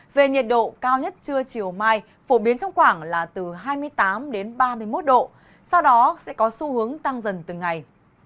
về nhiệt độ cao nhất trưa chiều mai phổ biến trong khoảng là từ hai mươi tám đến ba mươi một độ sau đó sẽ có xu hướng tăng dần từng ngày